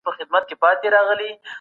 د خصوصي سکتور پانګونه ډېره ګټوره وه.